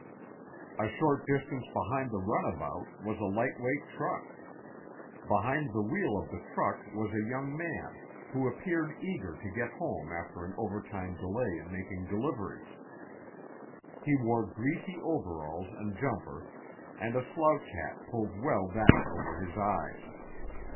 A short distance behind the runabout was a lightweight truck. Behind the wheel of the truck was a young man, who appeared eager to get home after an overtime delay in making deliveries. He wore greasy overalls and jumper, and a slouch hat pulled well down over his eyes.